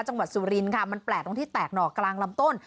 จังหวัดสุรินทร์ค่ะมันแปลกตรงที่แตกหนอกลางลำต้น